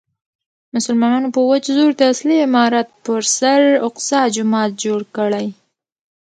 مسلمانانو په وچ زور د اصلي عمارت پر سر اقصی جومات جوړ کړی.